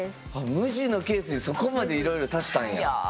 無地のケースにそこまでいろいろ足したんや。